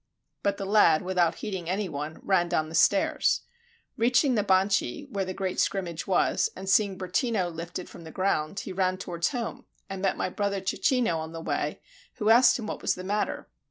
But the lad, without heeding any one, ran down the stairs. Reaching the Banchi, where the great scrimmage was, and seeing Bertino lifted from the ground, he ran towards home, and met my brother Cecchino on the way, who asked what was the matter.